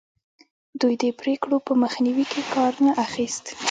دوی د پرېکړو په مخنیوي کې کار نه اخیست.